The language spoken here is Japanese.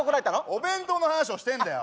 お弁当の話をしてんだよ。